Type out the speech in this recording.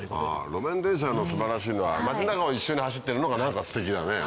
路面電車の素晴らしいのは街の中を一緒に走ってるのがステキだね。